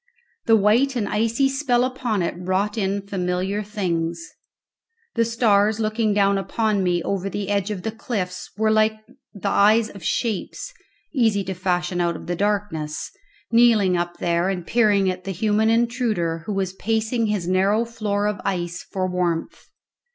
The white and icy spell upon it wrought in familiar things. The stars looking down upon me over the edge of the cliffs were like the eyes of shapes (easy to fashion out of the darkness) kneeling up there and peering at the human intruder who was pacing his narrow floor of ice for warmth.